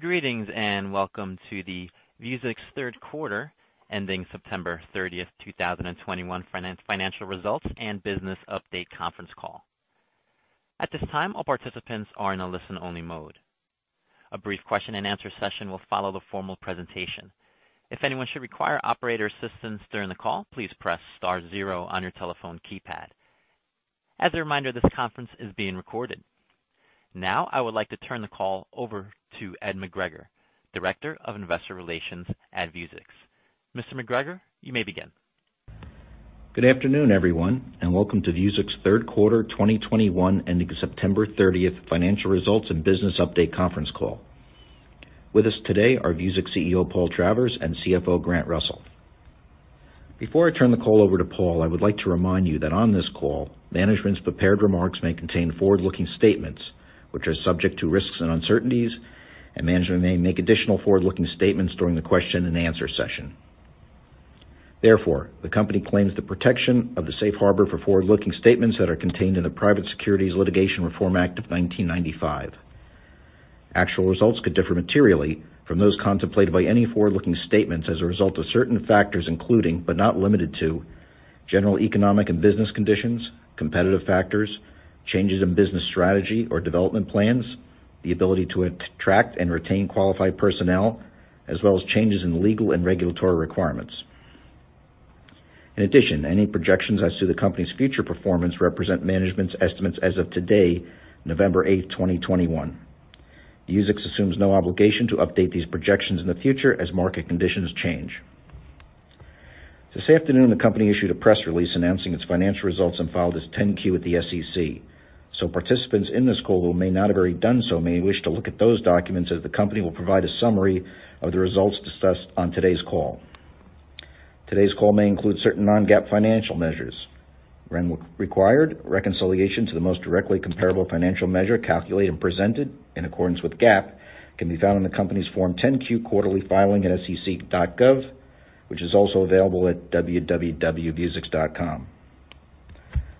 Greetings, and welcome to the Vuzix Q3 ending September 30, 2021 financial results and business update conference call. At this time, all participants are in a listen-only mode. A brief question and answer session will follow the formal presentation. If anyone should require operator assistance during the call, please press star 0 on your telephone keypad. As a reminder, this conference is being recorded. Now, I would like to turn the call over to Ed McGregor, Director of Investor Relations at Vuzix. Mr. McGregor, you may begin. Good afternoon, everyone, and welcome to Vuzix Q3 2021 ending September 30th financial results and business update conference call. With us today are Vuzix CEO, Paul Travers, and CFO, Grant Russell. Before I turn the call over to Paul, I would like to remind you that on this call, management's prepared remarks may contain forward-looking statements which are subject to risks and uncertainties, and management may make additional forward-looking statements during the question and answer session. The company claims the protection of the safe harbor for forward-looking statements that are contained in the Private Securities Litigation Reform Act of 1995. Actual results could differ materially from those contemplated by any forward-looking statements as a result of certain factors, including, but not limited to, general economic and business conditions, competitive factors, changes in business strategy or development plans, the ability to attract and retain qualified personnel, as well as changes in legal and regulatory requirements. In addition, any projections as to the company's future performance represent management's estimates as of today, November 8, 2021. Vuzix assumes no obligation to update these projections in the future as market conditions change. This afternoon, the company issued a press release announcing its financial results and filed as 10-Q at the SEC. Participants in this call who may not have already done so may wish to look at those documents, as the company will provide a summary of the results discussed on today's call. Today's call may include certain non-GAAP financial measures. Re-required reconciliations to the most directly comparable financial measure calculated and presented in accordance with GAAP can be found in the company's form 10-Q quarterly filing at sec.gov, which is also available at www.vuzix.com.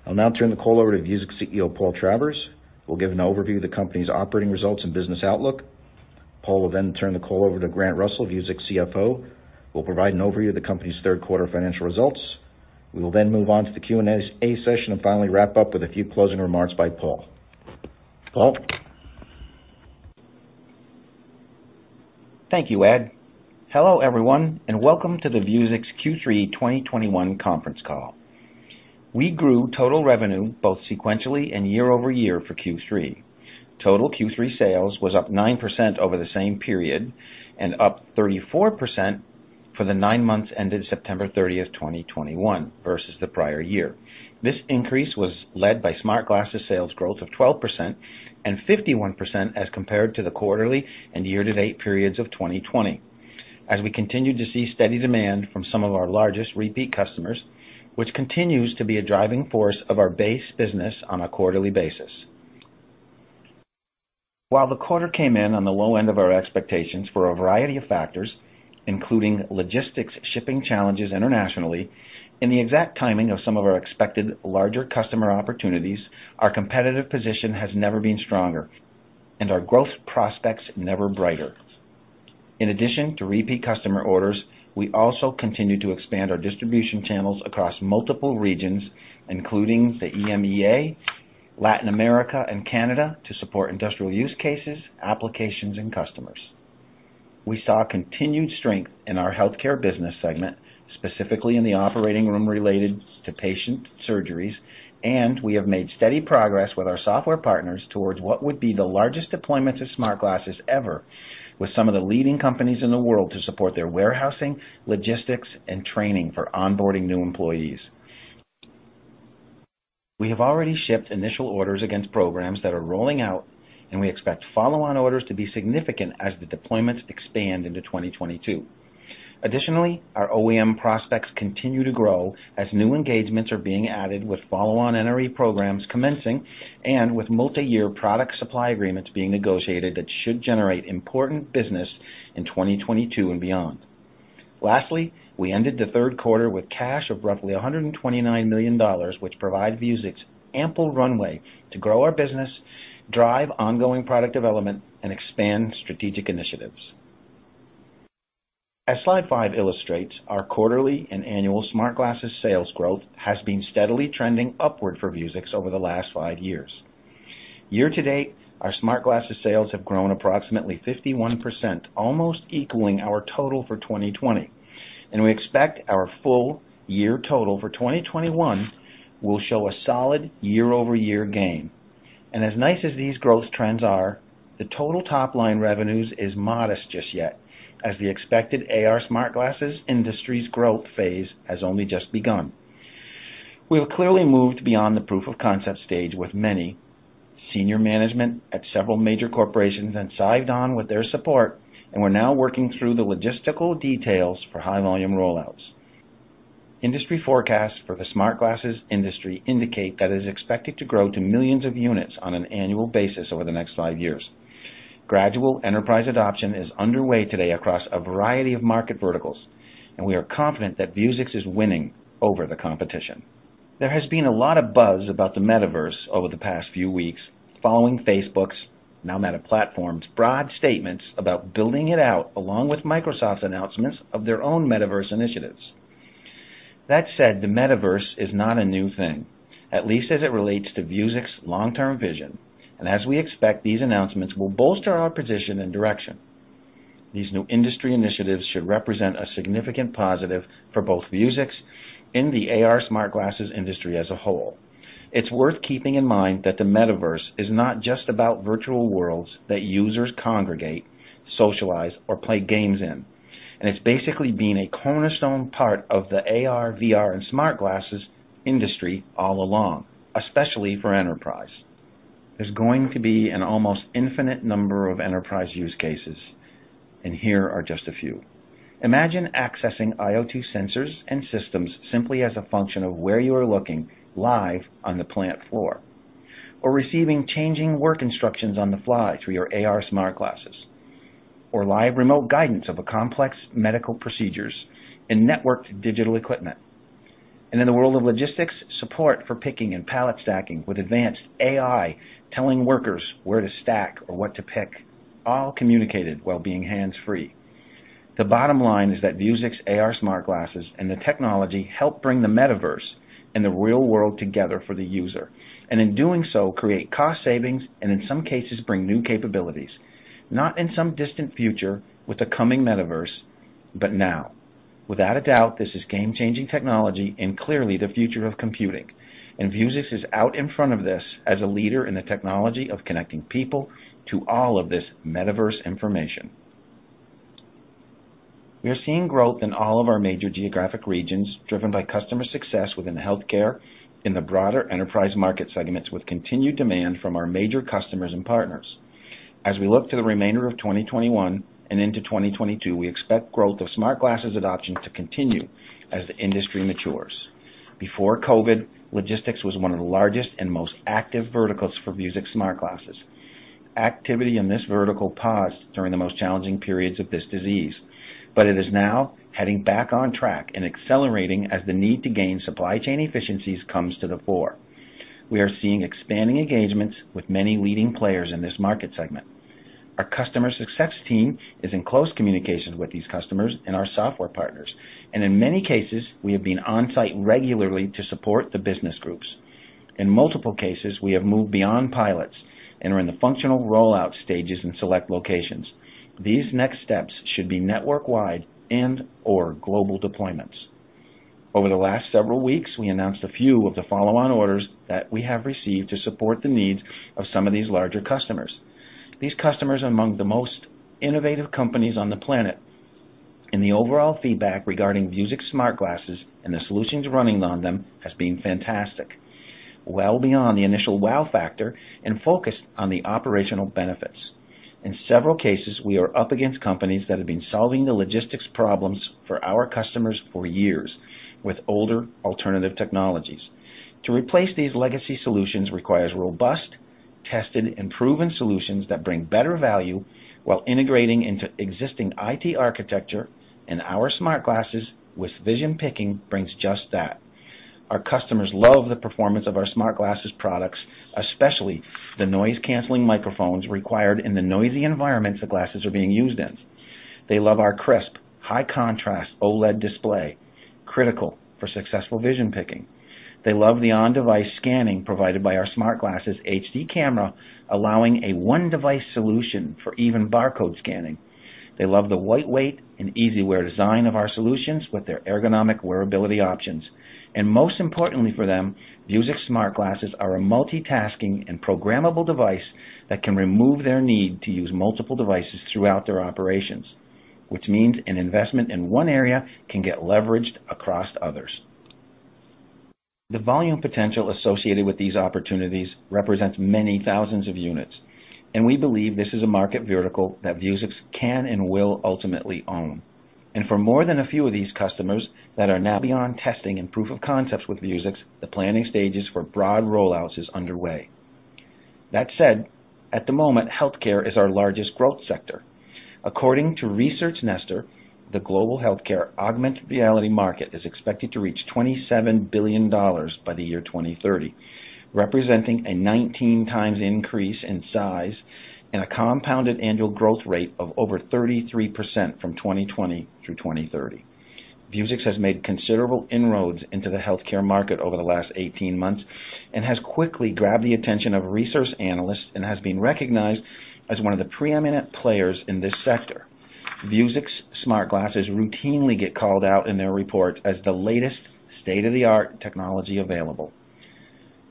I'll now turn the call over to Vuzix CEO, Paul Travers, who will give an overview of the company's operating results and business outlook. Paul will turn the call over to Grant Russell, Vuzix CFO, who will provide an overview of the company's third quarter financial results. We will move on to the Q&A session and finally wrap up with a few closing remarks by Paul. Paul. Thank you, Ed. Hello, everyone, and welcome to the Vuzix Q3 2021 conference call. We grew total revenue both sequentially and year-over-year for Q3. Total Q3 sales was up 9% over the same period and up 34% for the nine months ended September 30, 2021 versus the prior year. This increase was led by smart glasses sales growth of 12% and 51% as compared to the quarterly and year-to-date periods of 2020. We continue to see steady demand from some of our largest repeat customers, which continues to be a driving force of our base business on a quarterly basis. While the quarter came in on the low end of our expectations for a variety of factors, including logistics, shipping challenges internationally, and the exact timing of some of our expected larger customer opportunities, our competitive position has never been stronger and our growth prospects never brighter. In addition to repeat customer orders, we also continue to expand our distribution channels across multiple regions, including the EMEA, Latin America and Canada, to support industrial use cases, applications, and customers. We saw continued strength in our healthcare business segment, specifically in the operating room related to patient surgeries, and we have made steady progress with our software partners towards what would be the largest deployments of smart glasses ever with some of the leading companies in the world to support their warehousing, logistics, and training for onboarding new employees. We have already shipped initial orders against programs that are rolling out, and we expect follow-on orders to be significant as the deployments expand into 2022. Additionally, our OEM prospects continue to grow as new engagements are being added with follow-on NRE programs commencing and with multi-year product supply agreements being negotiated that should generate important business in 2022 and beyond. Lastly, we ended the third quarter with cash of roughly $129 million, which provides Vuzix ample runway to grow our business, drive ongoing product development, and expand strategic initiatives. As slide 5 illustrates, our quarterly and annual smart glasses sales growth has been steadily trending upward for Vuzix over the last 5 years. Year to date, our smart glasses sales have grown approximately 51%, almost equaling our total for 2020. We expect our full year total for 2021 will show a solid year-over-year gain. As nice as these growth trends are, the total top-line revenues is modest just yet as the expected AR smart glasses industry's growth phase has only just begun. We have clearly moved beyond the proof of concept stage with many senior management at several major corporations and signed on with their support, and we're now working through the logistical details for high volume rollouts. Industry forecasts for the smart glasses industry indicate that it is expected to grow to millions of units on an annual basis over the next 5 years. Gradual enterprise adoption is underway today across a variety of market verticals, and we are confident that Vuzix is winning over the competition. There has been a lot of buzz about the Metaverse over the past few weeks following Facebook's, now Meta Platforms', broad statements about building it out, along with Microsoft's announcements of their own Metaverse initiatives. That said, the Metaverse is not a new thing, at least as it relates to Vuzix long-term vision. As we expect, these announcements will bolster our position and direction. These new industry initiatives should represent a significant positive for both Vuzix and the AR smart glasses industry as a whole. It's worth keeping in mind that the Metaverse is not just about virtual worlds that users congregate, socialize, or play games in, and it's basically been a cornerstone part of the AR, VR, and smart glasses industry all along, especially for enterprise. There's going to be an almost infinite number of enterprise use cases, and here are just a few. Imagine accessing IoT sensors and systems simply as a function of where you are looking live on the plant floor, or receiving changing work instructions on the fly through your AR smart glasses, or live remote guidance of a complex medical procedures and networked digital equipment. In the world of logistics, support for picking and pallet stacking with advanced AI telling workers where to stack or what to pick, all communicated while being hands-free. The bottom line is that Vuzix AR smart glasses and the technology help bring the Metaverse and the real world together for the user, and in doing so, create cost savings and, in some cases, bring new capabilities, not in some distant future with the coming Metaverse, but now. Without a doubt, this is game-changing technology and clearly the future of computing. Vuzix is out in front of this as a leader in the technology of connecting people to all of this Metaverse information. We are seeing growth in all of our major geographic regions, driven by customer success within healthcare in the broader enterprise market segments with continued demand from our major customers and partners. As we look to the remainder of 2021 and into 2022, we expect growth of smart glasses adoption to continue as the industry matures. Before COVID, logistics was one of the largest and most active verticals for Vuzix smart glasses. Activity in this vertical paused during the most challenging periods of this disease, but it is now heading back on track and accelerating as the need to gain supply chain efficiencies comes to the fore. We are seeing expanding engagements with many leading players in this market segment. Our customer success team is in close communications with these customers and our software partners, and in many cases, we have been on-site regularly to support the business groups. In multiple cases, we have moved beyond pilots and are in the functional rollout stages in select locations. These next steps should be network-wide and/or global deployments. Over the last several weeks, we announced a few of the follow-on orders that we have received to support the needs of some of these larger customers. These customers are among the most innovative companies on the planet, and the overall feedback regarding Vuzix smart glasses and the solutions running on them has been fantastic. Well beyond the initial wow factor and focused on the operational benefits. In several cases, we are up against companies that have been solving the logistics problems for our customers for years with older alternative technologies. To replace these legacy solutions requires robust, tested, and proven solutions that bring better value while integrating into existing IT architecture, and our smart glasses with vision picking brings just that. Our customers love the performance of our smart glasses products, especially the noise-canceling microphones required in the noisy environments the glasses are being used in. They love our crisp, high contrast OLED display, critical for successful vision picking. They love the on-device scanning provided by our smart glasses HD camera, allowing a one device solution for even barcode scanning. They love the lightweight and easy wear design of our solutions with their ergonomic wearability options. Most importantly for them, Vuzix smart glasses are a multitasking and programmable device that can remove their need to use multiple devices throughout their operations, which means an investment in one area can get leveraged across others. The volume potential associated with these opportunities represents many thousands of units, and we believe this is a market vertical that Vuzix can and will ultimately own. For more than a few of these customers that are now beyond testing and proof of concepts with Vuzix, the planning stages for broad rollouts is underway. That said, at the moment, healthcare is our largest growth sector. According to Research Nester, the global healthcare augmented reality market is expected to reach $27 billion by the year 2030, representing a 19 times increase in size and a compounded annual growth rate of over 33% from 2020 through 2030. Vuzix has made considerable inroads into the healthcare market over the last 18 months and has quickly grabbed the attention of research analysts and has been recognized as one of the preeminent players in this sector. Vuzix smart glasses routinely get called out in their report as the latest state-of-the-art technology available.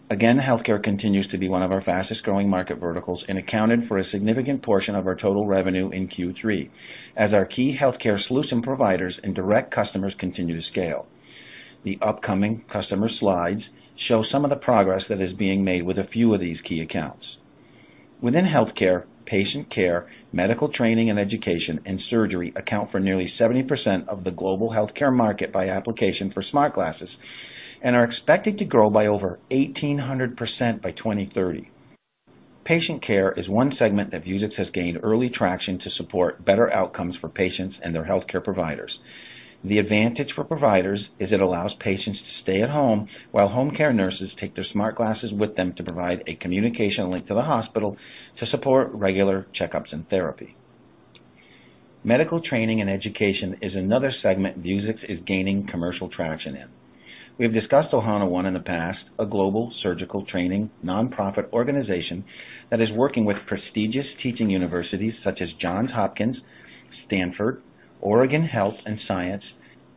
Again, healthcare continues to be one of our fastest-growing market verticals and accounted for a significant portion of our total revenue in Q3 as our key healthcare solution providers and direct customers continue to scale. The upcoming customer slides show some of the progress that is being made with a few of these key accounts. Within healthcare, patient care, medical training and education, and surgery account for nearly 70% of the global healthcare market by application for smart glasses and are expected to grow by over 1,800% by 2030. Patient care is one segment that Vuzix has gained early traction to support better outcomes for patients and their healthcare providers. The advantage for providers is it allows patients to stay at home while home care nurses take their smart glasses with them to provide a communication link to the hospital to support regular checkups and therapy. Medical training and education is another segment Vuzix is gaining commercial traction in. We have discussed Ohana One in the past, a global surgical training nonprofit organization that is working with prestigious teaching universities such as Johns Hopkins, Stanford, Oregon Health & Science,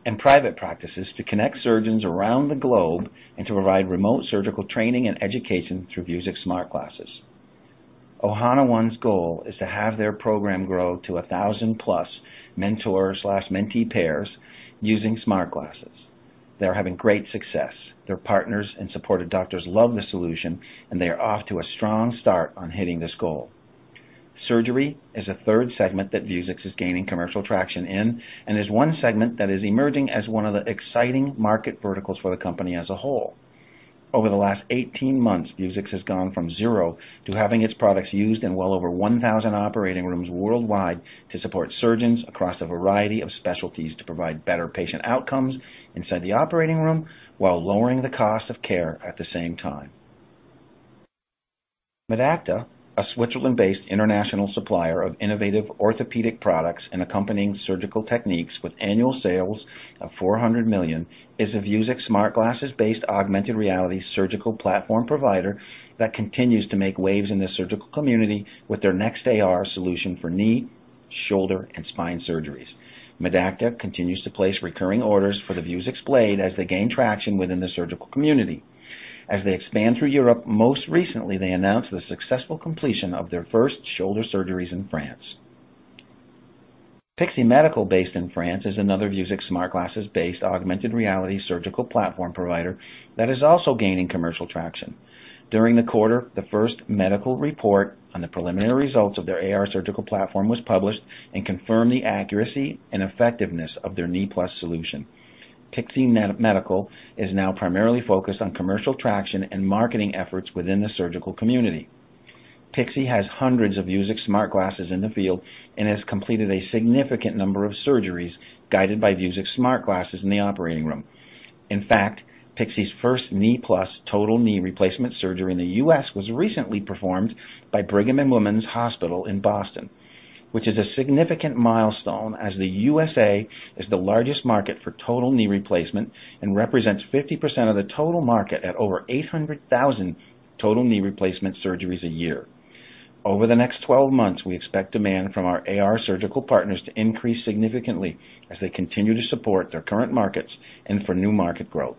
and private practices to connect surgeons around the globe and to provide remote surgical training and education through Vuzix Smart Glasses. Ohana One's goal is to have their program grow to 1,000 plus mentor/mentee pairs using smart glasses. They are having great success. Their partners and supported doctors love the solution, and they are off to a strong start on hitting this goal. Surgery is a third segment that Vuzix is gaining commercial traction in, and is one segment that is emerging as one of the exciting market verticals for the company as a whole. Over the last 18 months, Vuzix has gone from zero to having its products used in well over 1,000 operating rooms worldwide to support surgeons across a variety of specialties to provide better patient outcomes inside the operating room while lowering the cost of care at the same time. Medacta, a Switzerland-based international supplier of innovative orthopedic products and accompanying surgical techniques with annual sales of $400 million, is a Vuzix Smart Glasses-based augmented reality surgical platform provider that continues to make waves in the surgical community with their next AR solution for knee, shoulder, and spine surgeries. Medacta continues to place recurring orders for the Vuzix Blade as they gain traction within the surgical community. As they expand through Europe, most recently they announced the successful completion of their first shoulder surgeries in France. Pixee Medical, based in France, is another Vuzix Smart Glasses-based augmented reality surgical platform provider that is also gaining commercial traction. During the quarter, the first medical report on the preliminary results of their AR surgical platform was published and confirmed the accuracy and effectiveness of their Knee+ solution. Pixee Medical is now primarily focused on commercial traction and marketing efforts within the surgical community. Pixee has hundreds of Vuzix Smart Glasses in the field and has completed a significant number of surgeries guided by Vuzix Smart Glasses in the operating room. Pixee's first Knee+ total knee replacement surgery in the U.S. was recently performed by Brigham and Women's Hospital in Boston, which is a significant milestone as the U.S. is the largest market for total knee replacement and represents 50% of the total market at over 800,000 total knee replacement surgeries a year. Over the next 12 months, we expect demand from our AR surgical partners to increase significantly as they continue to support their current markets and for new market growth.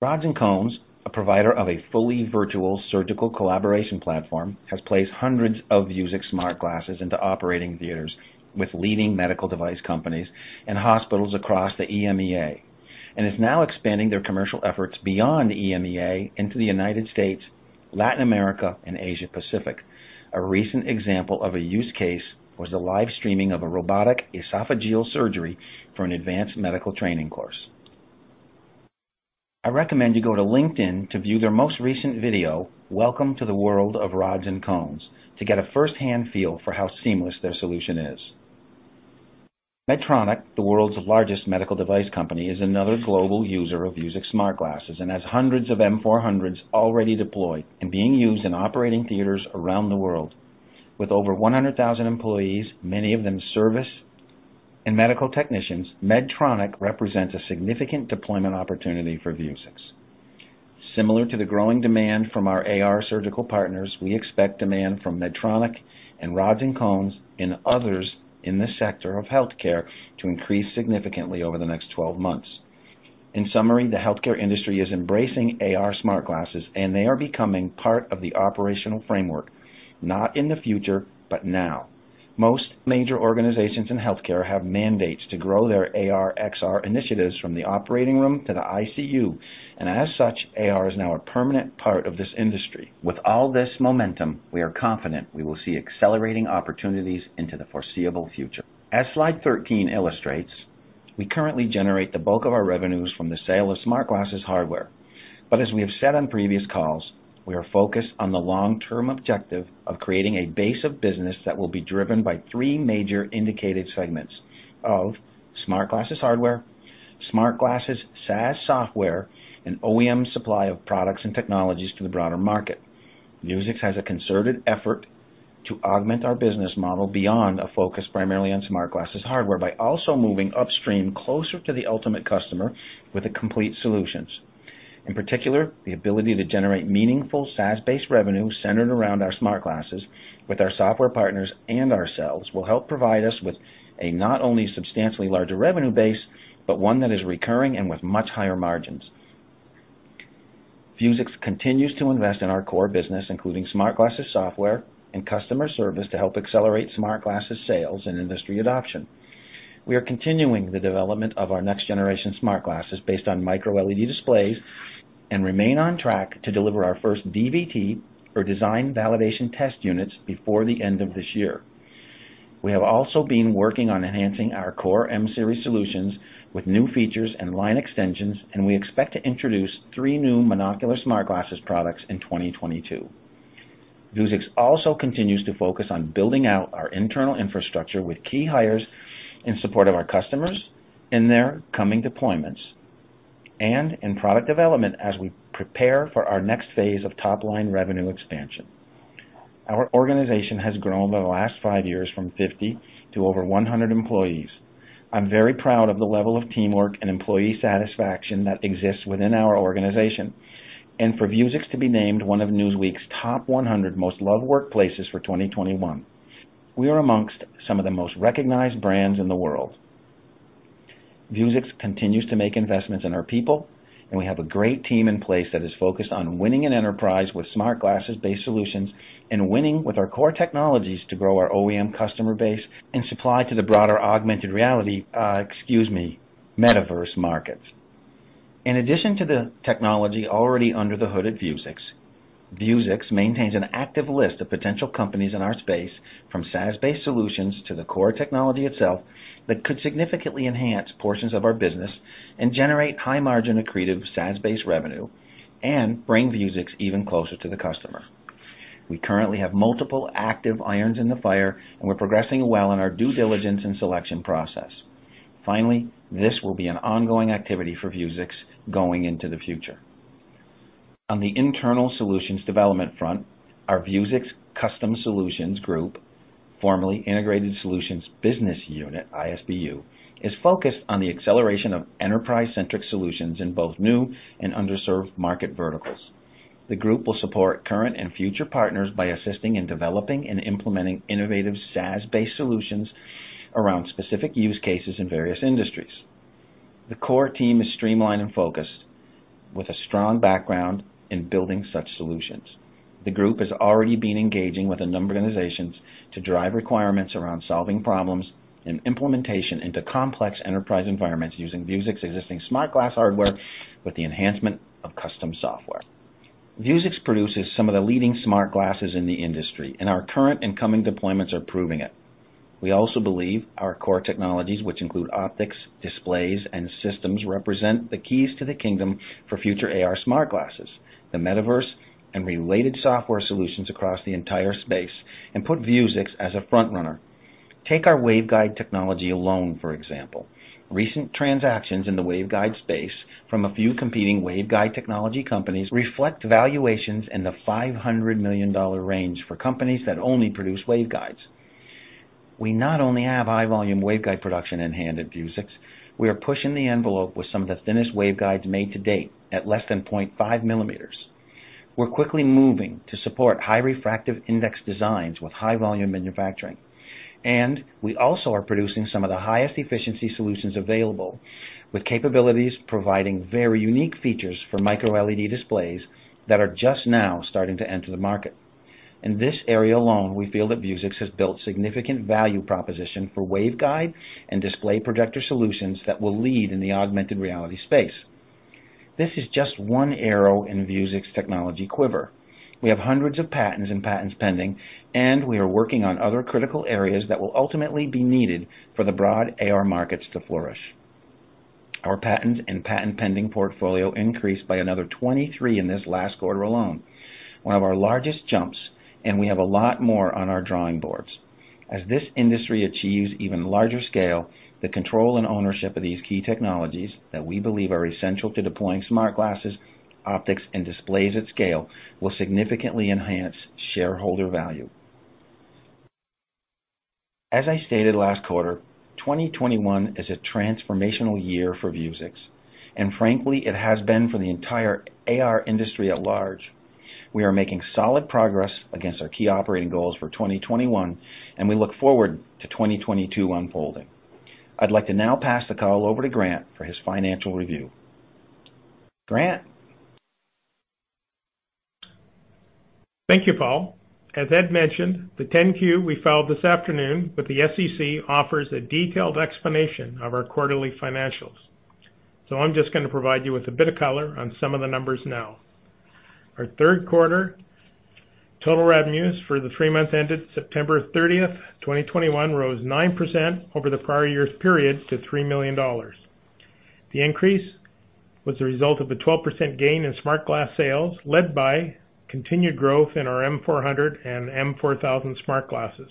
Rods & Cones, a provider of a fully virtual surgical collaboration platform, has placed hundreds of Vuzix smart glasses into operating theaters with leading medical device companies and hospitals across the EMEA, and is now expanding their commercial efforts beyond EMEA into the United States, Latin America, and Asia Pacific. A recent example of a use case was the live streaming of a robotic esophageal surgery for an advanced medical training course. I recommend you go to LinkedIn to view their most recent video, Welcome to the World of Rods & Cones, to get a first-hand feel for how seamless their solution is. Medtronic, the world's largest medical device company, is another global user of Vuzix Smart Glasses and has hundreds of M400s already deployed and being used in operating theaters around the world. With over 100,000 employees, many of them service and medical technicians, Medtronic represents a significant deployment opportunity for Vuzix. Similar to the growing demand from our AR surgical partners, we expect demand from Medtronic and Rods & Cones and others in the sector of healthcare to increase significantly over the next 12 months. In summary, the healthcare industry is embracing AR smart glasses, and they are becoming part of the operational framework, not in the future, but now. Most major organizations in healthcare have mandates to grow their AR/XR initiatives from the operating room to the ICU, and as such, AR is now a permanent part of this industry. With all this momentum, we are confident we will see accelerating opportunities into the foreseeable future. As slide 13 illustrates, we currently generate the bulk of our revenues from the sale of Smart Glasses hardware. As we have said on previous calls, we are focused on the long-term objective of creating a base of business that will be driven by three major indicated segments of Smart Glasses hardware, Smart Glasses SaaS software, and OEM supply of products and technologies to the broader market. Vuzix has a concerted effort to augment our business model beyond a focus primarily on Smart Glasses hardware by also moving upstream closer to the ultimate customer with the complete solutions. In particular, the ability to generate meaningful SaaS-based revenue centered around our Smart Glasses with our software partners and ourselves will help provide us with a not only substantially larger revenue base, but one that is recurring and with much higher margins. Vuzix continues to invest in our core business, including Smart Glasses software and customer service, to help accelerate Smart Glasses sales and industry adoption. We are continuing the development of our next generation Smart Glasses based on micro-LED displays and remain on track to deliver our first DVT, or design validation test units, before the end of this year. We have also been working on enhancing our core M-Series solutions with new features and line extensions. We expect to introduce 3 new monocular smart glasses products in 2022. Vuzix also continues to focus on building out our internal infrastructure with key hires in support of our customers in their coming deployments and in product development as we prepare for our next phase of top-line revenue expansion. Our organization has grown over the last five years from 50 to over 100 employees. I'm very proud of the level of teamwork and employee satisfaction that exists within our organization, for Vuzix to be named one of Newsweek's Top 100 Most Loved Workplaces for 2021. We are amongst some of the most recognized brands in the world. Vuzix continues to make investments in our people, and we have a great team in place that is focused on winning an enterprise with smart glasses-based solutions and winning with our core technologies to grow our OEM customer base and supply to the broader augmented reality, excuse me, Metaverse market. In addition to the technology already under the hood at Vuzix maintains an active list of potential companies in our space from SaaS-based solutions to the core technology itself that could significantly enhance portions of our business and generate high-margin accretive SaaS-based revenue and bring Vuzix even closer to the customer. We currently have multiple active irons in the fire, and we're progressing well in our due diligence and selection process. Finally, this will be an ongoing activity for Vuzix going into the future. On the internal solutions development front, our Vuzix Custom Solutions Group, formerly Integrated Solutions Business Unit, ISBU, is focused on the acceleration of enterprise-centric solutions in both new and underserved market verticals. The group will support current and future partners by assisting in developing and implementing innovative SaaS-based solutions around specific use cases in various industries. The core team is streamlined and focused with a strong background in building such solutions. The group has already been engaging with a number of organizations to drive requirements around solving problems and implementation into complex enterprise environments using Vuzix existing smart glass hardware with the enhancement of custom software. Vuzix produces some of the leading smart glasses in the industry, our current and coming deployments are proving it. We also believe our core technologies, which include optics, displays, and systems, represent the keys to the kingdom for future AR smart glasses, the Metaverse, and related software solutions across the entire space, and put Vuzix as a front-runner. Take our waveguide technology alone, for example. Recent transactions in the waveguide space from a few competing waveguide technology companies reflect valuations in the $500 million range for companies that only produce waveguides. We not only have high volume waveguide production in-hand at Vuzix, we are pushing the envelope with some of the thinnest waveguides made to date at less than 0.5 millimeters. We're quickly moving to support high refractive index designs with high volume manufacturing. We also are producing some of the highest efficiency solutions available with capabilities providing very unique features for micro-LED displays that are just now starting to enter the market. In this area alone, we feel that Vuzix has built significant value proposition for waveguide and display projector solutions that will lead in the augmented reality space. This is just one arrow in Vuzix technology quiver. We have hundreds of patents and patents pending. We are working on other critical areas that will ultimately be needed for the broad AR markets to flourish. Our patents and patent pending portfolio increased by another 23 in this last quarter alone, one of our largest jumps. We have a lot more on our drawing boards. As this industry achieves even larger scale, the control and ownership of these key technologies that we believe are essential to deploying smart glasses, optics, and displays at scale will significantly enhance shareholder value. As I stated last quarter, 2021 is a transformational year for Vuzix, and frankly, it has been for the entire AR industry at large. We are making solid progress against our key operating goals for 2021, and we look forward to 2022 unfolding. I'd like to now pass the call over to Grant for his financial review. Grant? Thank you, Paul. As Ed mentioned, the 10-Q we filed this afternoon with the SEC offers a detailed explanation of our quarterly financials. I'm just gonna provide you with a bit of color on some of the numbers now. Our third quarter total revenues for the three months ended September 30, 2021 rose 9% over the prior year's periods to $3 million. The increase was a result of the 12% gain in smart glass sales, led by continued growth in our M400 and M4000 smart glasses.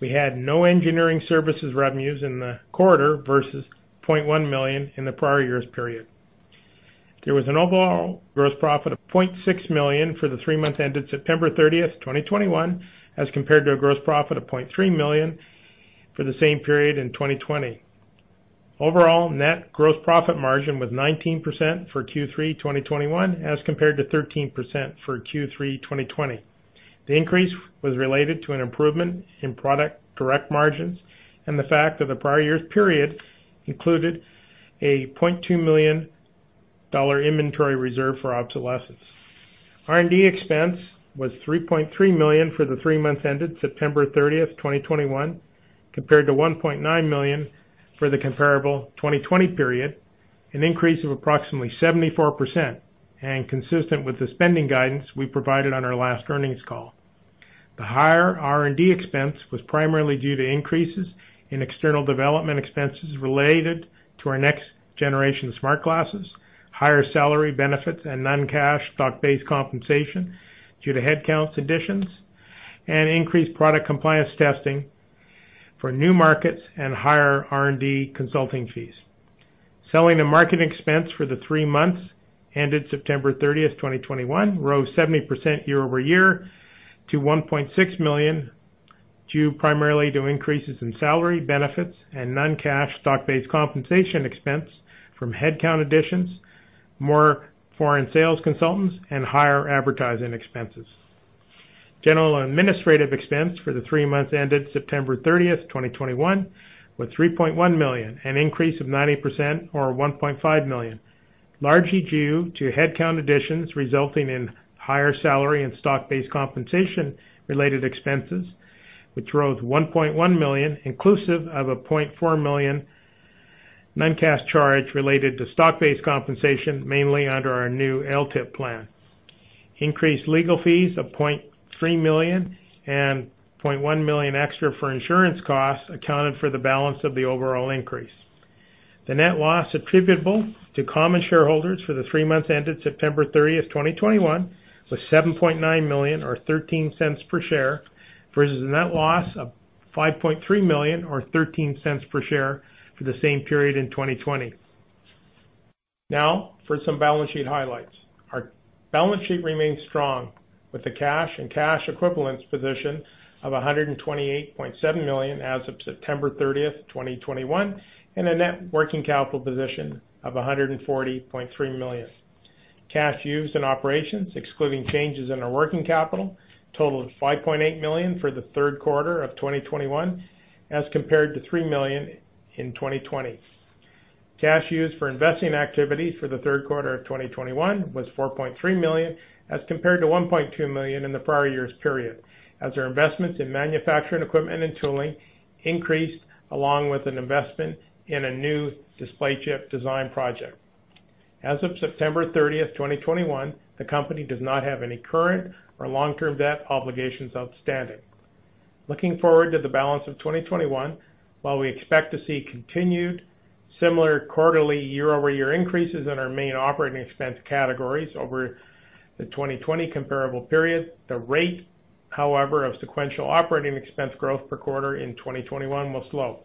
We had no engineering services revenues in the quarter versus $0.1 million in the prior year's period. There was an overall gross profit of $0.6 million for the three months ended September 30, 2021, as compared to a gross profit of $0.3 million for the same period in 2020. Overall, net gross profit margin was 19% for Q3 2021, as compared to 13% for Q3 2020. The increase was related to an improvement in product direct margins and the fact that the prior year's period included a $0.2 million inventory reserve for obsolescence. R&D expense was $3.3 million for the 3 months ended September 30, 2021, compared to $1.9 million for the comparable 2020 period. An increase of approximately 74% and consistent with the spending guidance we provided on our last earnings call. The higher R&D expense was primarily due to increases in external development expenses related to our next generation smart glasses, higher salary benefits, and non-cash stock-based compensation due to headcount additions and increased product compliance testing for new markets and higher R&D consulting fees. Selling and marketing expense for the 3 months ended September 30, 2021, rose 70% year-over-year to $1.6 million, due primarily to increases in salary benefits and non-cash stock-based compensation expense from headcount additions, more foreign sales consultants and higher advertising expenses. General and administrative expense for the 3 months ended September 30, 2021, was $3.1 million, an increase of 90% or $1.5 million, largely due to headcount additions resulting in higher salary and stock-based compensation related expenses, which rose $1.1 million, inclusive of a $0.4 million non-cash charge related to stock-based compensation, mainly under our new LTIP plan. Increased legal fees of $0.3 million and $0.1 million extra for insurance costs accounted for the balance of the overall increase. The net loss attributable to common shareholders for the 3 months ended September 30th, 2021, was $7.9 million or $0.13 per share, versus a net loss of $5.3 million or $0.13 per share for the same period in 2020. For some balance sheet highlights. Our balance sheet remains strong with a cash and cash equivalents position of $128.7 million as of September 30th, 2021, and a net working capital position of $140.3 million. Cash used in operations, excluding changes in our working capital, totaled $5.8 million for the 3rd quarter of 2021, as compared to $3 million in 2020. Cash used for investing activities for the third quarter of 2021 was $4.3 million, as compared to $1.2 million in the prior year's period, as our investments in manufacturing equipment and tooling increased along with an investment in a new display chip design project. As of September 30th, 2021, the company does not have any current or long-term debt obligations outstanding. Looking forward to the balance of 2021, while we expect to see continued similar quarterly year-over-year increases in our main operating expense categories over the 2020 comparable period, the rate, however, of sequential operating expense growth per quarter in 2021 will slow.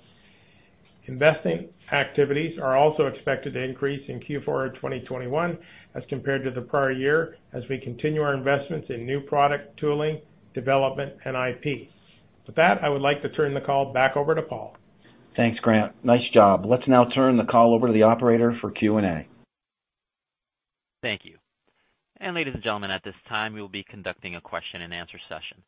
Investing activities are also expected to increase in Q4 of 2021 as compared to the prior year as we continue our investments in new product tooling, development, and IP. With that, I would like to turn the call back over to Paul. Thanks, Grant. Nice job. Let's now turn the call over to the operator for Q&A. Thank you. Ladies and gentlemen, at this time, we will be conducting a question and answer session.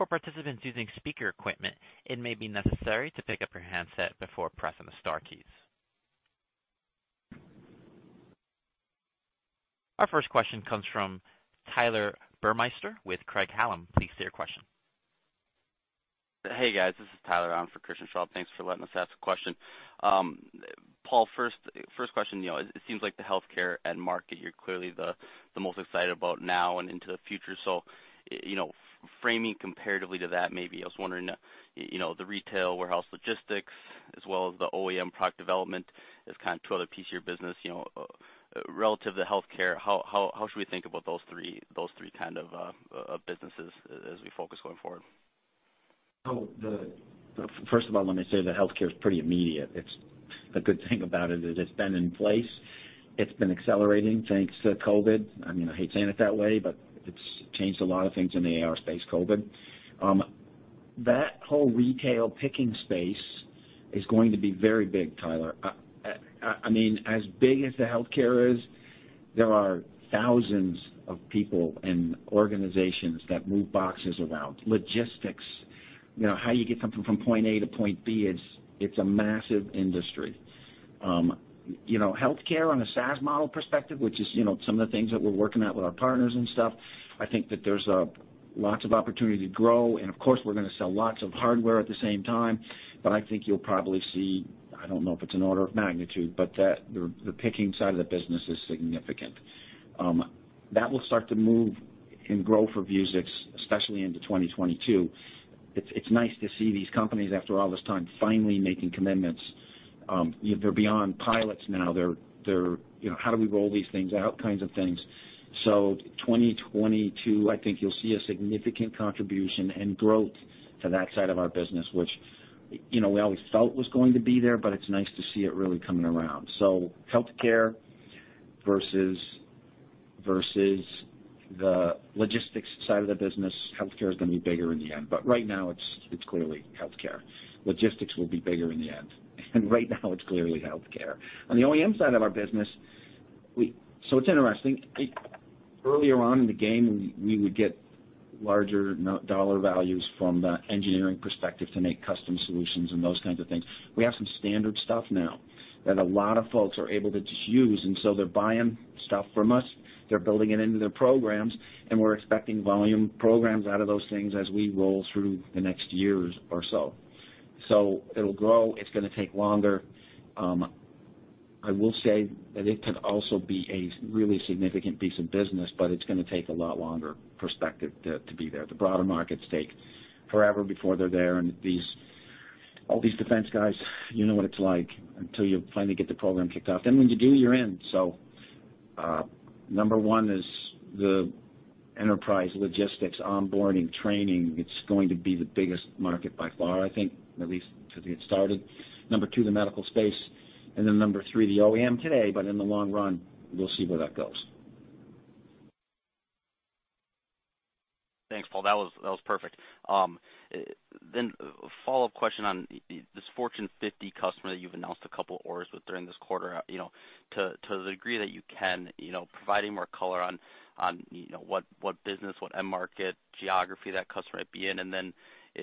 Our first question comes from Tyler Burmeister with Craig-Hallum. Please state your question. Hey, guys. This is Tyler on for Christian Schwab. Thanks for letting us ask a question. Paul, first question. You know, it seems like the healthcare end market, you're clearly the most excited about now and into the future. You know, framing comparatively to that, maybe I was wondering, you know, the retail warehouse logistics as well as the OEM product development is kind of two other pieces of your business, you know. Relative to healthcare, how should we think about those three, those three kind of businesses as we focus going forward? First of all, let me say that healthcare is pretty immediate. It's the good thing about it is it's been in place. It's been accelerating thanks to COVID. I mean, I hate saying it that way, but it's changed a lot of things in the AR space, COVID. That whole retail picking space is going to be very big, Tyler. I mean, as big as the healthcare is, there are thousands of people and organizations that move boxes around. Logistics, you know, how you get something from point A to point B, it's a massive industry. You know, healthcare on a SaaS model perspective, which is, you know, some of the things that we're working at with our partners and stuff, I think that there's lots of opportunity to grow. Of course, we're gonna sell lots of hardware at the same time, I think you'll probably see, I don't know if it's an order of magnitude, but that the picking side of the business is significant. That will start to move in growth reviews, especially into 2022. It's nice to see these companies after all this time finally making commitments. You know, they're beyond pilots now. They're, you know, how do we roll these things out kinds of things. 2022, I think you'll see a significant contribution and growth to that side of our business, which, you know, we always felt was going to be there, but it's nice to see it really coming around. Healthcare versus the logistics side of the business, healthcare is gonna be bigger in the end, but right now it's clearly healthcare. Logistics will be bigger in the end, and right now it's clearly healthcare. On the OEM side of our business. It's interesting. Earlier on in the game, we would get larger dollar values from the engineering perspective to make custom solutions and those kinds of things. We have some standard stuff now that a lot of folks are able to just use, and so they're buying stuff from us, they're building it into their programs, and we're expecting volume programs out of those things as we roll through the next years or so. It'll grow. It's gonna take longer. I will say that it can also be a really significant piece of business, but it's gonna take a lot longer perspective to be there. The broader markets take forever before they're there, and these... All these defense guys, you know what it's like until you finally get the program kicked off. When you do, you're in. Number one is the enterprise logistics, onboarding, training. It's going to be the biggest market by far, I think, at least to get started. Number two, the medical space. Number three, the OEM today, but in the long run, we'll see where that goes. Thanks, Paul. That was perfect. A follow-up question on this Fortune 50 customer that you've announced a couple orders with during this quarter. You know, to the degree that you can, you know, providing more color on, you know, what business, what end market, geography that customer might be in. Do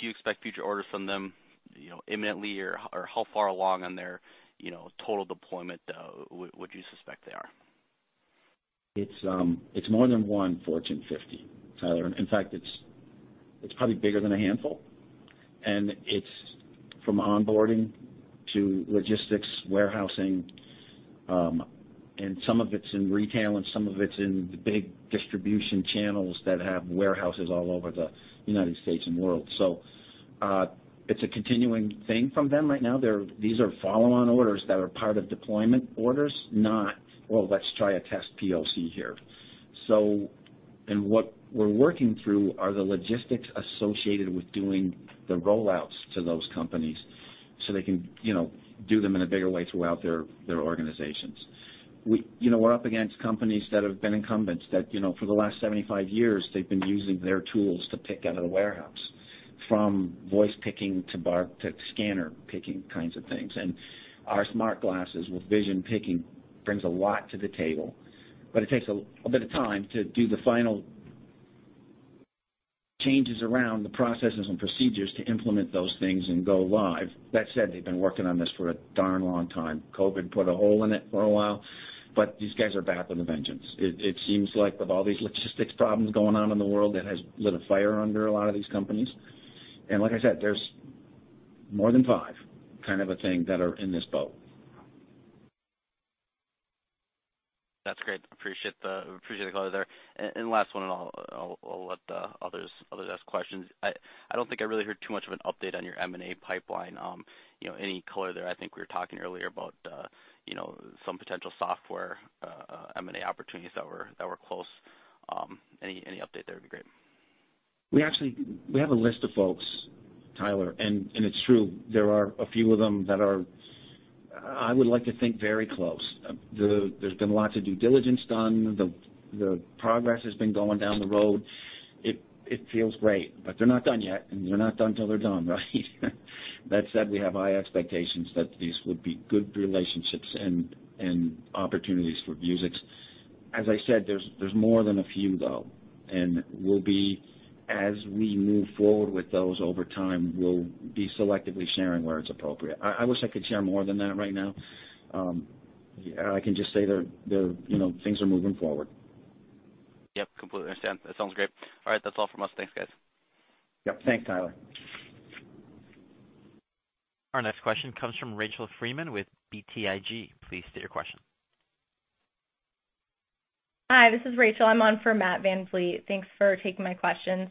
you expect future orders from them, you know, imminently? How far along on their, you know, total deployment would you suspect they are? It's, it's more than 1 Fortune 50, Tyler. In fact, it's probably bigger than a handful. It's from onboarding to logistics, warehousing, and some of it's in retail, and some of it's in the big distribution channels that have warehouses all over the U.S. and world. It's a continuing thing from them right now. These are follow-on orders that are part of deployment orders, not, "Oh, let's try a test POC here." What we're working through are the logistics associated with doing the rollouts to those companies, so they can, you know, do them in a bigger way throughout their organizations. You know, we're up against companies that have been incumbents that, you know, for the last 75 years, they've been using their tools to pick out of the warehouse, from voice picking to scanner picking kinds of things. Our smart glasses with vision picking brings a lot to the table, but it takes a bit of time to do the final changes around the processes and procedures to implement those things and go live. That said, they've been working on this for a darn long time. COVID put a hole in it for a while, but these guys are back with a vengeance. It seems like with all these logistics problems going on in the world, it has lit a fire under a lot of these companies. Like I said, there's more than 5, kind of a thing, that are in this boat. That's great. Appreciate the color there. Last one, I'll let others ask questions. I don't think I really heard too much of an update on your M&A pipeline. You know, any color there? I think we were talking earlier about, you know, some potential software M&A opportunities that were close. Any update there would be great. We actually have a list of folks, Tyler, and it's true, there are a few of them that are, I would like to think, very close. There's been lots of due diligence done. The progress has been going down the road. It feels great, but they're not done yet, and they're not done till they're done, right? That said, we have high expectations that these would be good relationships and opportunities for Vuzix. As I said, there's more than a few though, and we'll be, as we move forward with those over time, we'll be selectively sharing where it's appropriate. I wish I could share more than that right now. I can just say they're, you know, things are moving forward. Yep, completely understand. That sounds great. All right, that's all from us. Thanks, guys. Yep. Thanks, Tyler. Our next question comes from Rachel Freeman with BTIG. Please state your question. Hi, this is Rachel. I'm on for Matt VanVliet. Thanks for taking my questions.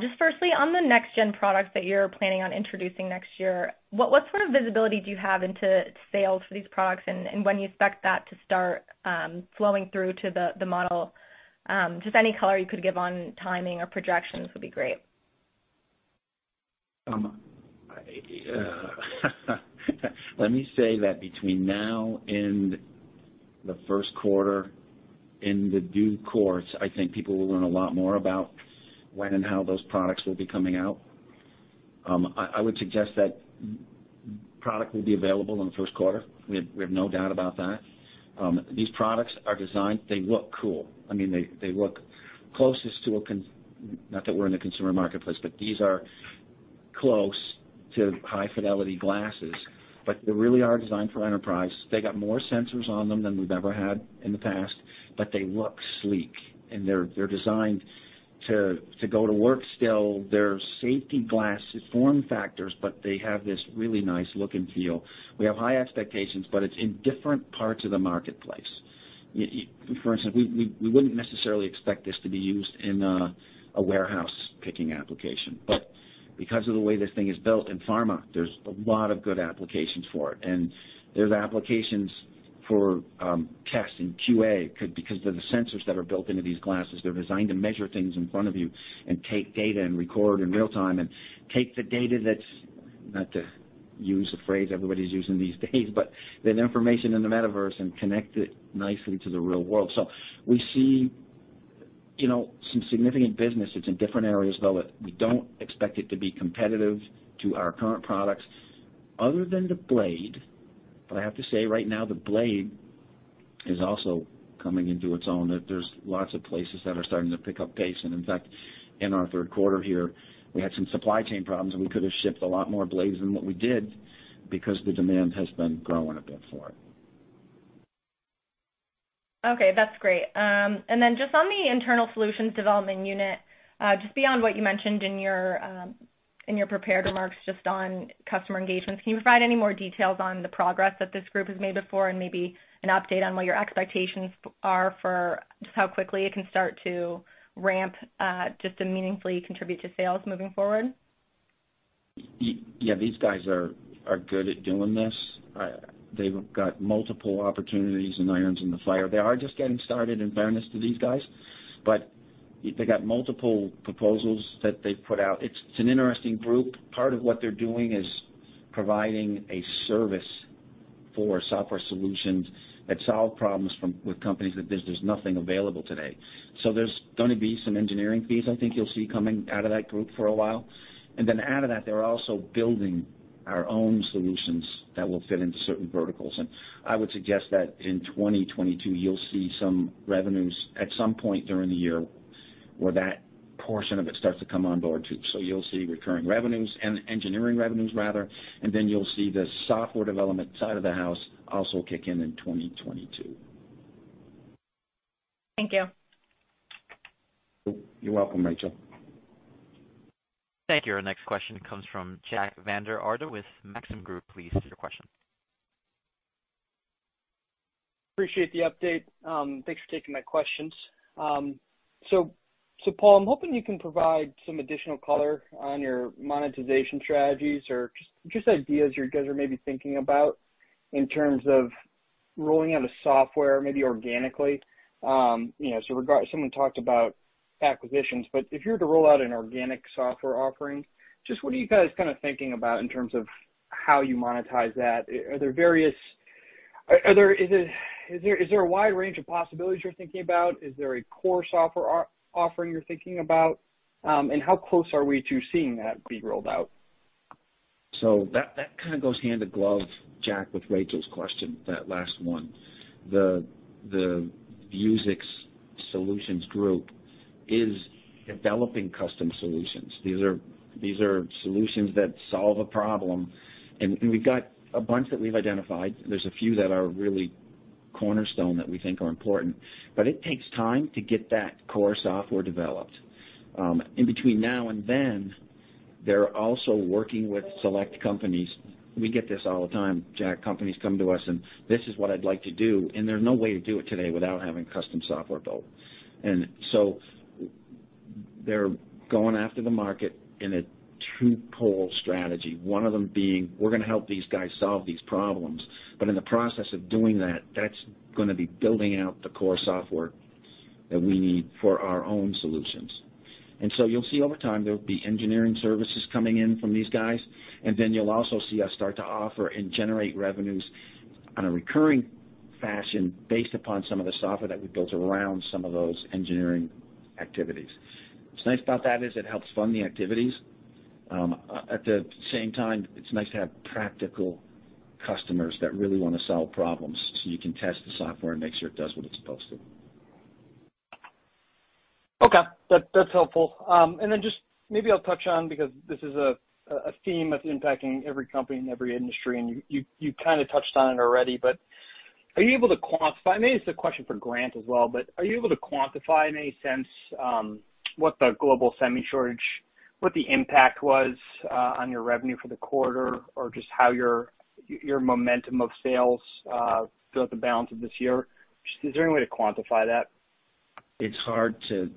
Just firstly, on the next gen products that you're planning on introducing next year, what sort of visibility do you have into sales for these products, and when do you expect that to start flowing through to the model? Just any color you could give on timing or projections would be great. Let me say that between now and the first quarter, in the due course, I think people will learn a lot more about when and how those products will be coming out. I would suggest that product will be available in the first quarter. We have no doubt about that. These products are designed. They look cool. I mean, they look closest to Not that we're in the consumer marketplace, but these are close to high-fidelity glasses. They really are designed for enterprise. They got more sensors on them than we've ever had in the past, but they look sleek, and they're designed to go to work still. They're safety glasses form factors, but they have this really nice look and feel. We have high expectations, but it's in different parts of the marketplace. For instance, we wouldn't necessarily expect this to be used in a warehouse picking application. Because of the way this thing is built, in pharma, there's a lot of good applications for it. There's applications for tests in QA because of the sensors that are built into these glasses, they're designed to measure things in front of you and take data and record in real time and take the data that's, not to use the phrase everybody's using these days, but that information in the metaverse and connect it nicely to the real world. We see you know, some significant business. It's in different areas, though. We don't expect it to be competitive to our current products other than the Blade. I have to say, right now, the Blade is also coming into its own, that there's lots of places that are starting to pick up pace. In fact, in our third quarter here, we had some supply chain problems, and we could have shipped a lot more Blades than what we did because the demand has been growing a bit for it. Okay, that's great. Just on the internal solutions development unit, just beyond what you mentioned in your prepared remarks, just on customer engagement, can you provide any more details on the progress that this group has made before and maybe an update on what your expectations are for just how quickly it can start to ramp, just to meaningfully contribute to sales moving forward? Yeah, these guys are good at doing this. They've got multiple opportunities and irons in the fire. They are just getting started, in fairness to these guys, but they've got multiple proposals that they've put out. It's an interesting group. Part of what they're doing is providing a service for software solutions that solve problems with companies that there's nothing available today. There's gonna be some engineering fees I think you'll see coming out of that group for a while. Out of that, they're also building our own solutions that will fit into certain verticals. I would suggest that in 2022, you'll see some revenues at some point during the year where that portion of it starts to come on board, too. You'll see recurring revenues and engineering revenues rather, and then you'll see the software development side of the house also kick in in 2022. Thank you. You're welcome, Rachel. Thank you. Our next question comes from Jack Vander Aarde with Maxim Group. Please state your question. Appreciate the update. Thanks for taking my questions. Paul, I'm hoping you can provide some additional color on your monetization strategies or just ideas you guys are maybe thinking about in terms of rolling out a software maybe organically. You know, someone talked about acquisitions, but if you were to roll out an organic software offering, just what are you guys kinda thinking about in terms of how you monetize that? Is there a wide range of possibilities you're thinking about? Is there a core software offering you're thinking about? How close are we to seeing that be rolled out? That kind of goes hand in glove, Jack, with Rachel's question, that last one. The Vuzix Solutions Group is developing custom solutions. These are solutions that solve a problem. We've got a bunch that we've identified. There's a few that are really cornerstone that we think are important, but it takes time to get that core software developed. In between now and then, they're also working with select companies. We get this all the time, Jack. Companies come to us and, "This is what I'd like to do," and there's no way to do it today without having custom software built. They're going after the market in a two-pole strategy. One of them being, we're gonna help these guys solve these problems. In the process of doing that's gonna be building out the core software that we need for our own solutions. You'll see over time, there'll be engineering services coming in from these guys, and then you'll also see us start to offer and generate revenues on a recurring fashion based upon some of the software that we built around some of those engineering activities. What's nice about that is it helps fund the activities. At the same time, it's nice to have practical customers that really wanna solve problems, so you can test the software and make sure it does what it's supposed to. Okay. That's helpful. Just maybe I'll touch on because this is a theme that's impacting every company in every industry, and you kinda touched on it already, but are you able to quantify? Maybe it's a question for Grant as well, but are you able to quantify in any sense what the global semi shortage, what the impact was on your revenue for the quarter or just how your momentum of sales throughout the balance of this year? Is there any way to quantify that? It's hard to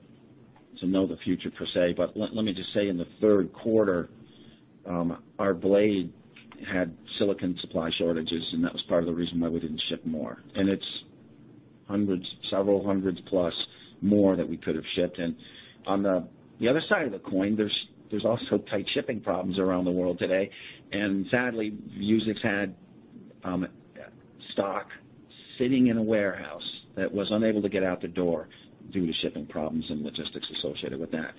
know the future per se, but let me just say in the third quarter, our blade had silicon supply shortages, and that was part of the reason why we didn't ship more. It's hundreds, several hundreds plus more that we could have shipped. On the other side of the coin, there's also tight shipping problems around the world today. Sadly, Vuzix had stock sitting in a warehouse that was unable to get out the door due to shipping problems and logistics associated with that,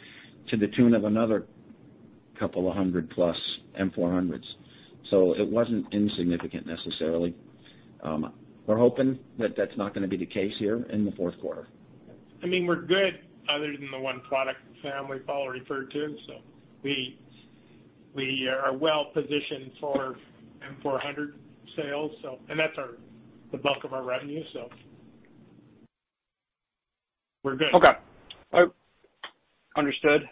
to the tune of another couple of hundred plus M400s. It wasn't insignificant necessarily. We're hoping that that's not gonna be the case here in the fourth quarter. I mean, we're good other than the one product family Paul referred to. We are well positioned for M400 sales. That's the bulk of our revenue, we're good. Okay. All right. Understood.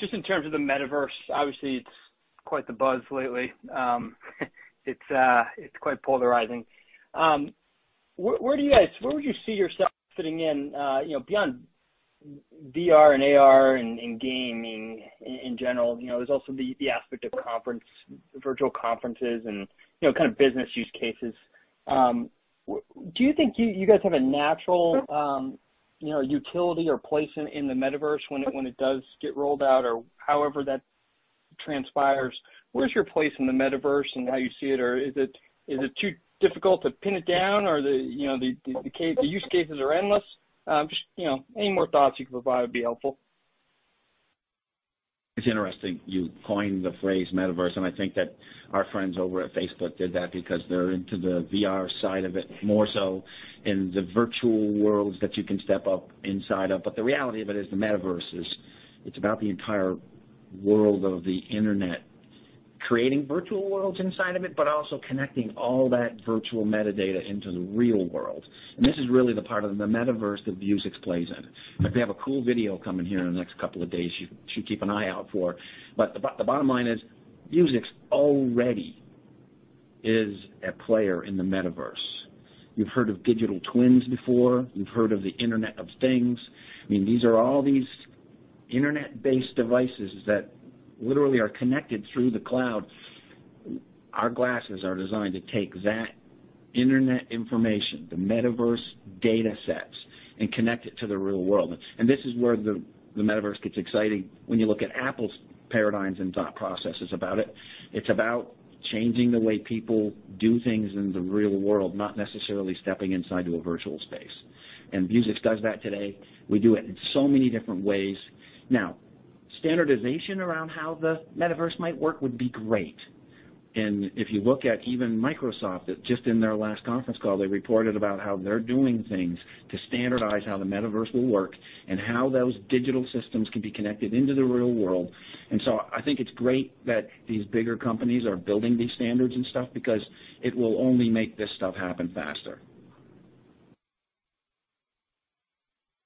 Just in terms of the Metaverse, obviously it's quite the buzz lately. It's quite polarizing. Where would you see yourself fitting in, you know, beyond VR and AR and gaming in general? You know, there's also the aspect of virtual conferences and, you know, kind of business use cases. Do you think you guys have a natural, you know, utility or placement in the Metaverse when it does get rolled out or however that transpires? Where's your place in the Metaverse and how you see it? Or is it too difficult to pin it down? Or the use cases are endless. Just, you know, any more thoughts you can provide would be helpful. It's interesting you coined the phrase Metaverse. I think that our friends over at Facebook did that because they're into the VR side of it more so in the virtual worlds that you can step up inside of. The reality of it is the Metaverse is it's about the entire world of the Internet creating virtual worlds inside of it, but also connecting all that virtual metadata into the real world. This is really the part of the Metaverse that Vuzix plays in. In fact, we have a cool video coming here in the next couple of days you should keep an eye out for. The bottom line is Vuzix already is a player in the Metaverse. You've heard of digital twins before. You've heard of the Internet of Things. I mean, these are all these Internet-based devices that literally are connected through the cloud. Our glasses are designed to take that Internet information, the Metaverse data sets, and connect it to the real world. This is where the Metaverse gets exciting when you look at Apple's paradigms and thought processes about it. It's about changing the way people do things in the real world, not necessarily stepping inside to a virtual space. Vuzix does that today. We do it in so many different ways. Now, standardization around how the Metaverse might work would be great. If you look at even Microsoft, just in their last conference call, they reported about how they're doing things to standardize how the Metaverse will work and how those digital systems can be connected into the real world. I think it's great that these bigger companies are building these standards and stuff because it will only make this stuff happen faster.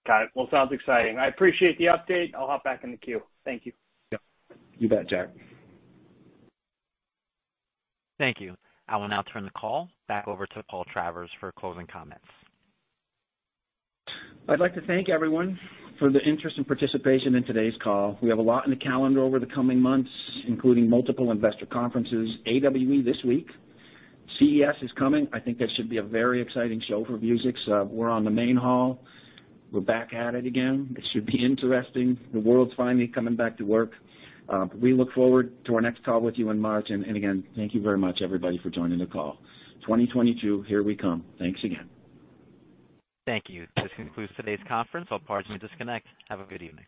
Got it. Well, sounds exciting. I appreciate the update. I'll hop back in the queue. Thank you. Yep. You bet, Jack. Thank you. I will now turn the call back over to Paul Travers for closing comments. I'd like to thank everyone for the interest and participation in today's call. We have a lot in the calendar over the coming months, including multiple investor conferences. AWE this week. CES is coming. I think that should be a very exciting show for Vuzix. We're on the main hall. We're back at it again. It should be interesting. The world's finally coming back to work. We look forward to our next call with you in March. Again, thank you very much, everybody, for joining the call. 2022, here we come. Thanks again. Thank you. This concludes today's conference. All parties may disconnect. Have a good evening.